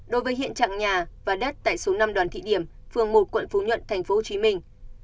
đối với hiện trạng nhà và đất tại số năm đoàn thị điểm phường một quận phú nhuận thành phố hồ chí minh